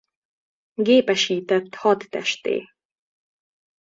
Gépesített Hadtestté.